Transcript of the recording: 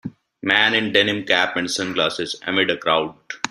Man in denim cap and sunglasses amid a crowd.